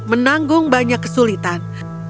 menanggung banyak kesulitan